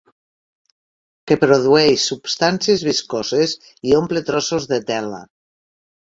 Que produeix substàncies viscoses i omple trossos de tela.